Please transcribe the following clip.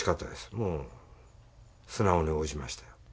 もう素直に応じましたよ。